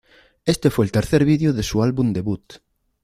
Este fue el tercer vídeo de su álbum debut.